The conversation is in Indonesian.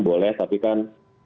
boleh tapi kan